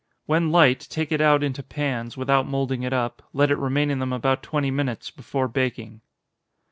When light, take it out into pans, without moulding it up let it remain in them about twenty minutes, before baking.